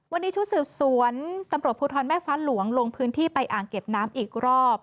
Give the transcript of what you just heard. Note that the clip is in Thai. วันนี้ชุดสืบสวนตำรวจภูทรแม่ฟ้าหลวงลงพื้นที่ไปอ่างเก็บน้ำอีกรอบ